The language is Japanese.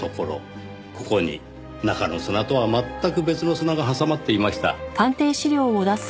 ここに中の砂とは全く別の砂が挟まっていました。